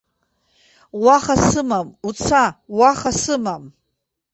Уаха сымам, уца, уаха сымам!